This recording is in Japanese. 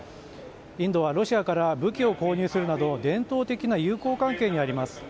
インドはロシアから武器を購入するなど伝統的な友好関係にあります。